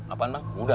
apaan bang kuda